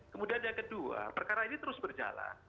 kemudian yang kedua perkara ini terus berjalan